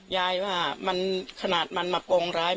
ยายว่าขนาดมันมาปลงร้าย